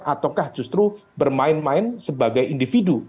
ataukah justru bermain main sebagai individu